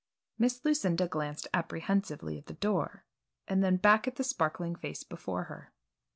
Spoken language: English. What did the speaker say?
Miss Lucinda glanced apprehensively at the door and then back at the sparkling face before her.